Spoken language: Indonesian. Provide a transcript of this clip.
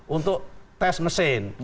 untuk tes mesin